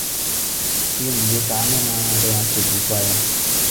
要唔要解悶啊我哋玩潛烏龜呀